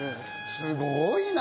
すごいな。